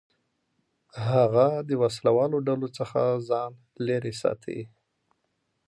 هغه د وسلهوالو ډلو څخه ځان لېرې ساتي.